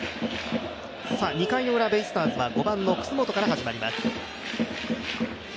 ２回のウラ、ベイスターズは５番の楠本から始まります。